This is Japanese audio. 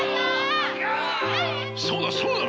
そうだそうだ！